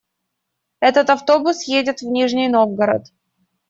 Этот автобус едет в Нижний Новгород.